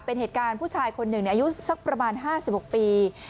เป็นเหตุการณ์ผู้ชายคนหนึ่งเนี่ยอายุสักระบานห้าสิบหกปี